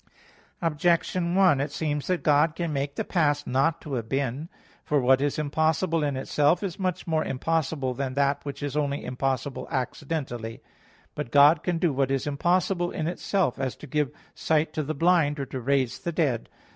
Objection 1: It seems that God can make the past not to have been. For what is impossible in itself is much more impossible than that which is only impossible accidentally. But God can do what is impossible in itself, as to give sight to the blind, or to raise the dead.